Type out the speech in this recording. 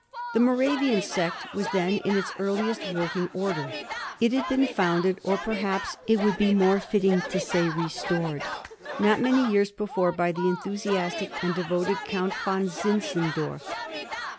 The Moravian sect was then in its earli est working order. It had been founded — or perhaps it would be more fitting to say restored — not many years before, by the enthusiastic and devoted Count Von Zin zendorf.